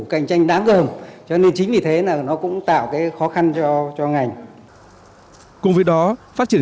cạnh tranh đáng gồm cho nên chính vì thế là nó cũng tạo cái khó khăn cho ngành cùng với đó phát triển